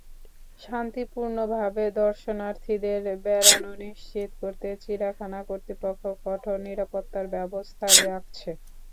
শান্তিপূর্ণভাবে দর্শনার্থীদের বেড়ানো নিশ্চিত করতে চিড়িয়াখানা কর্তৃপক্ষ কঠোর নিরাপত্তার ব্যবস্থা রাখছে।